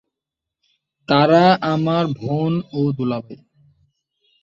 তাঁরা আমার বোন ও দুলাভাই।